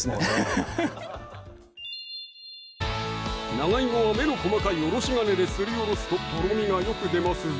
アハハハッ長いもは目の細かいおろし金ですりおろすととろみがよく出ますぞ